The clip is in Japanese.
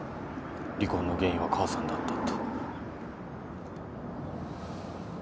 離婚の原因は母さんだったって。